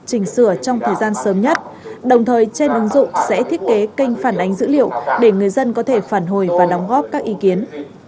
chỉnh sửa trong thời gian sớm nhất đồng thời trên ứng dụng sẽ thiết kế kênh phản ánh dữ liệu để người dân có thể phản hồi và đóng góp các ý kiến